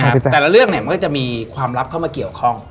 แต่ละเรื่องเนี่ยมันก็จะมีความลับเข้ามาเกี่ยวข้อง